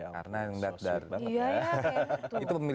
karena yang datar datar